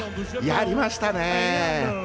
やりましたね！